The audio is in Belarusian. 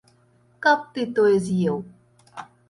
Каб ты тое з'еў!